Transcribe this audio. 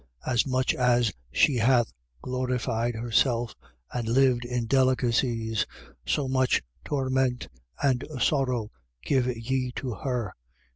18:7. As much as she hath glorified herself and lived in delicacies, so much torment and sorrow give ye to her.